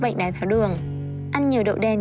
bệnh đầy tháo đường ăn nhiều đậu đen